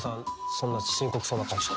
そんな深刻そうな顔して。